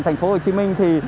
thành phố hồ chí minh